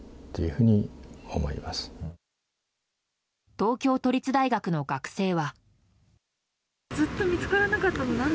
東京都立大学の学生は。